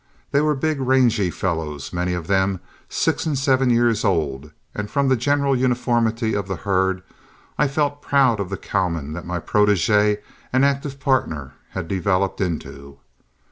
They were big rangy fellows many of them six and seven years old, and from the general uniformity of the herd, I felt proud of the cowman that my protégé and active partner had developed into.